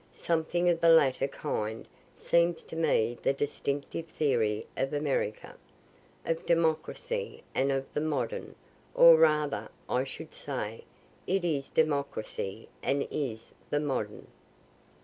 Something of the latter kind seems to me the distinctive theory of America, of democracy, and of the modern or rather, I should say, it is democracy, and is the modern.